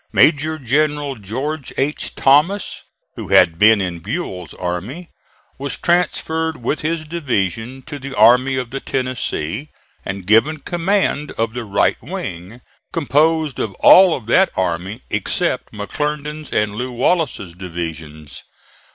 Major General George H. Thomas, who had been in Buell's army, was transferred with his division to the Army of the Tennessee and given command of the right wing, composed of all of that army except McClernand's and Lew. Wallace's divisions.